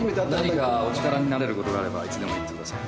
何かお力になれることがあればいつでも言ってください。